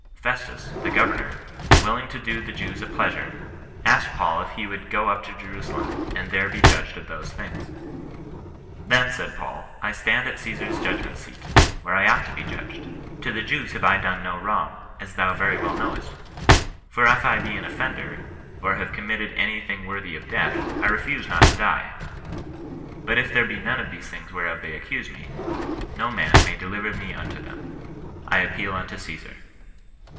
Festus, the governor, " willing to do the Je^a «* ^\^"s>sv5x^^'!>^^^ 72 CHRISTIAN NON RESISTANCE. Paul if he would '^ go up to Jerusalem, and there he judged of these things." '^ Then said Paul, I stand at 08dsar*8 judgment seat, where I ought to he judged ; to the Jews have I done no wrong, as thou very well knowest. For if I he an offender, or have committed any thing worthy of death, I refuse not to die ; but if there be none of these things whereof they accuse me, no man may deliver me unto them. I appeal unto Ceesar."